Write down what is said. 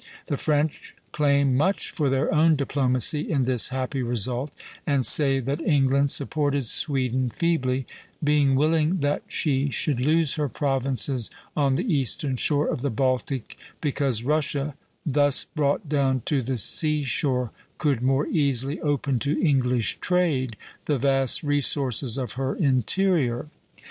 The French claim much for their own diplomacy in this happy result, and say that England supported Sweden feebly; being willing that she should lose her provinces on the eastern shore of the Baltic because Russia, thus brought down to the sea shore, could more easily open to English trade the vast resources of her interior.